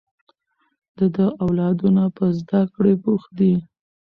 د ده اولادونه په زده کړې بوخت دي